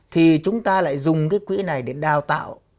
thì chúng ta lại dùng cái quỹ này để đào tạo